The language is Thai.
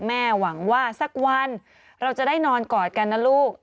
หวังว่าสักวันเราจะได้นอนกอดกันนะลูก